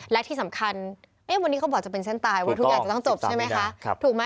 และที่สำคัญวันนี้เขาบอกจะเป็นเส้นตายว่าทุกอย่างจะต้องจบใช่ไหมคะถูกไหม